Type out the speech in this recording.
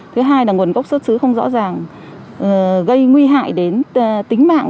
thứ hai là nguồn gốc xuất xứ không rõ ràng gây nguy hại đến tính mạng